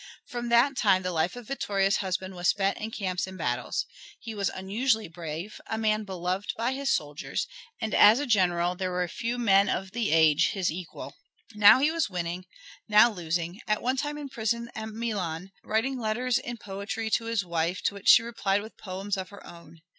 From that time the life of Vittoria's husband was spent in camps and battles. He was unusually brave, a man beloved by his soldiers, and as a general there were few men of the age his equal. Now he was winning, now losing, at one time in prison at Milan writing letters in poetry to his wife to which she replied with poems of her own.